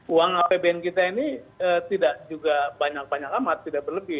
uang apbn kita ini tidak juga banyak banyak amat tidak berlebih